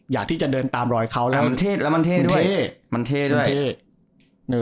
อยากที่จะเดินตามรอยเขาแล้วมันเท่แล้วมันเท่ด้วยเท่มันเท่ด้วยเท่